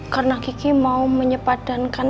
karena kiki mau menyepadankan